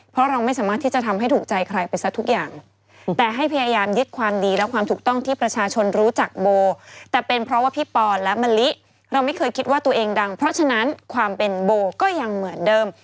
เพราะเราไม่สามารถที่จะทำให้ถูกใจใครไปซะทุกอย่างแต่ให้พยายามยึดความดีและความถูกต้องที่ประชาชนรู้จักโบแต่เป็นเพราะว่าพี่ปอนและมะลิเราไม่เคยคิดว่าตัวเองดังเพราะฉะนั้นความเป็นโบก็ยังเหมือนเดิม